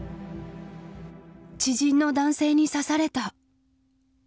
知人の男性に刺された。